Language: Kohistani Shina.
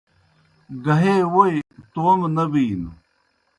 گہے ووئی توموْ نہ بِینوْ